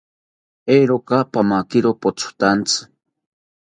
Eeroka, pamakiro pothotaantzi